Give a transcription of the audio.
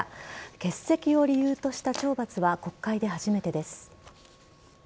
欠席を理由とした懲罰は国会で初めてです。